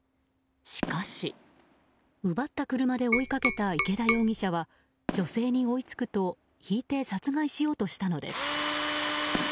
しかし奪った車で追いかけた池田容疑者は女性に追いつくとひいて殺害しようとしたのです。